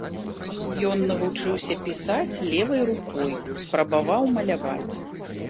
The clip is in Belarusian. Ён навучыўся пісаць левай рукой, спрабаваў маляваць.